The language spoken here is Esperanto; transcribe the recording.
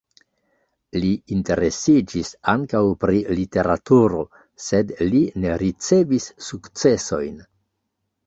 Li interesiĝis ankaŭ pri literaturo, sed li ne ricevis sukcesojn.